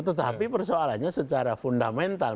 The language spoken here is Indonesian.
tetapi persoalannya secara fundamental